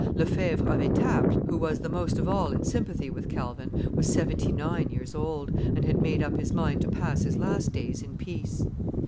Lefevre of Etaples, who was the most of all in sympathy with Calvin, was seventy nine years old, and had made up his mind to pass his last days in peace.